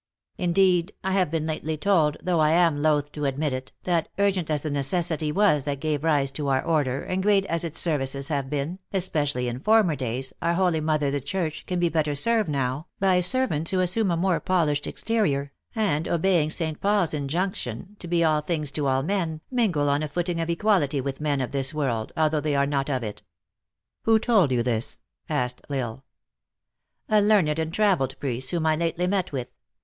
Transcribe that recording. " Indeed, I have been lately told, though I am loath to admit it, that, urgent as the necessity was that gave rise to our order, and great as its services have been, THE ACTRESS IN HIGH LIFE. 151 especially in former days, our hoty mother, the Church, can be better served now, by servants who assume a more polished exterior, and obeying St. Paul s injunc tion to be all things to all men, mingle on a footing of equality with men of this world, although they are not of it." " Who told you this ?" asked L Isle. " A learned and traveled priest, whom I lately met with.